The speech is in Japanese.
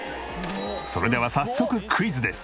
それでは早速クイズです。